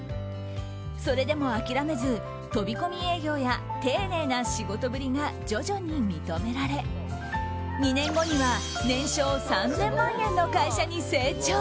それでも諦めず、飛び込み営業や丁寧な仕事ぶりが徐々に認められ２年後には年商３０００万円の会社に成長。